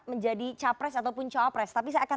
menjadi capres ataupun cawapres tapi saya akan